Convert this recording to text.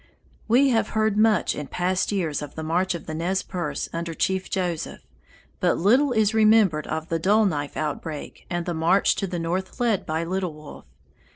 "We have heard much in past years of the march of the Nez Perces under Chief Joseph, but little is remembered of the Dull Knife outbreak and the march to the north led by Little Wolf.